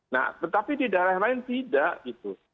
nah tetapi di daerah lain tidak gitu